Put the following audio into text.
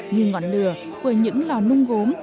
như ngọn lửa của những lò nung gốm